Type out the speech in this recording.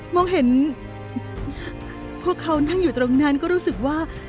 มองเห็นพวกเขานั่งอยู่ตรงนั้นก็รู้สึกว่า